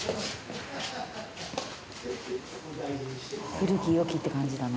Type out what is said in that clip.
古き良きって感じだね。